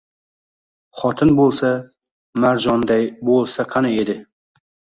Xotin bo‘lsa, Marjonday bo‘lsa qani edi